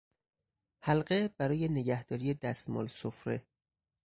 حلقه برای نگهداری دستمال سفره